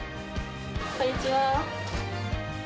こんにちは。